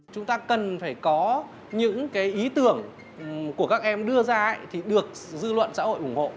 chúng ta cần phải có những cái ý tưởng của các em đưa ra thì được dư luận xã hội ủng hộ